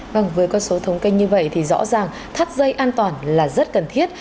vâng với con số thống kê như vậy thì rõ ràng thắt dây an toàn là rất cần thiết